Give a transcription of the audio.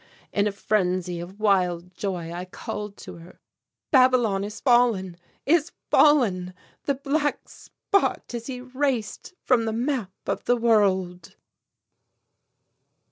In a frenzy of wild joy I called to her "Babylon is fallen is fallen! The black spot is erased from the map of the world!"